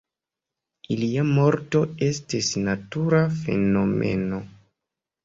Ilia morto estis natura fenomeno.